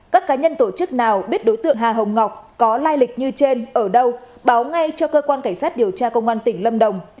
các cá nhân tổ chức nào biết đối tượng hà hồng ngọc có lai lịch như trên ở đâu báo ngay cho cơ quan cảnh sát điều tra công an tỉnh lâm đồng